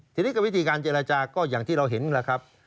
ทีนี้ก็วิธีการเจรจาก็อย่างที่เราเห็นแหละครับ